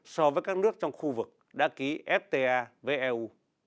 so với các nước trong khu vực đã ký fta với eu